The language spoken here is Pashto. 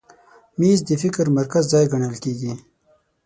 مېز د فکر د مرکز ځای ګڼل کېږي.